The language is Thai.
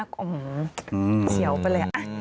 อื้อหือเสียวไปเลย